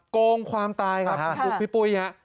โกงความตายครับอุ๊คพี่ปุ๊ย